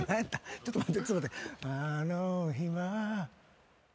ちょっと待って。